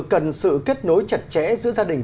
cần sự kết nối chặt chẽ giữa gia đình